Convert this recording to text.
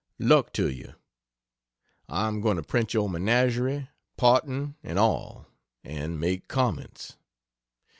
] Luck to you! I am going to print your menagerie, Parton and all, and make comments.